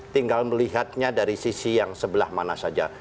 tinggal melihatnya dari sisi yang sebelah mana saja